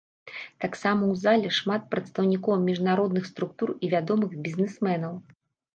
Таксама ў зале шмат прадстаўнікоў міжнародных структур і вядомых бізнесменаў.